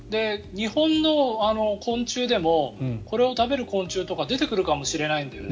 日本の昆虫でもこれを食べる昆虫とか出てくるかもしれないんだよね。